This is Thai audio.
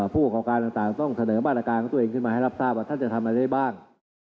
ผู้ประกอบการต่างต้องเสนอมาตรการของตัวเองขึ้นมาให้รับทราบว่าท่านจะทำอะไรได้บ้าง